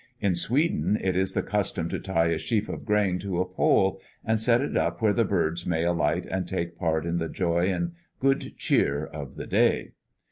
In Sweden it is the custom to tie a sheaf of grain to a pole and set it up where the birds may alight and take part in the joy and good cheer of the day.